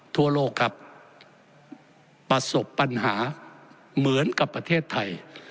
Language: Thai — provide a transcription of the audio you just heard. ทั่วโลกครับประสบปัญหาเหมือนกับประเทศไทย